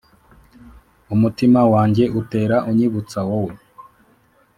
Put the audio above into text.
umutima wanjye utera unyibutsa wowe